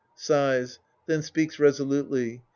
{Sighs. Then speaks resolutely.)